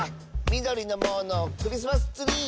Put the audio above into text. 「みどりのものクリスマスツリー！」